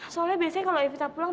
soalnya biasanya kalau evita pulang